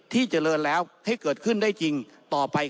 ที่เจริญแล้วให้เกิดขึ้นได้จริงต่อไป